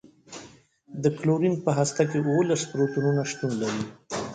د کلورین په هسته کې اوولس پروتونونه شتون لري.